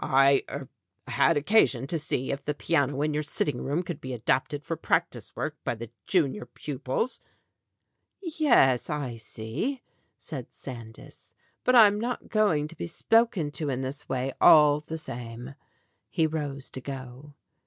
I er had occasion to see if the piano in your sitting room could be adapted for prac tice work by the junior pupils " "Yes, I see," said Sandys. "But I'm not going to be spoken to in this way, all the same." He rose to go.